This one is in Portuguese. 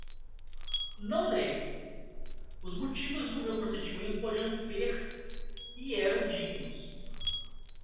Não negue; os motivos do meu procedimento podiam ser e eram dignos;